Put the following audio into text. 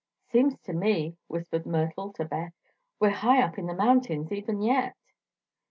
"Seems to me," whispered Myrtle to Beth, "we're high up on the mountains, even yet."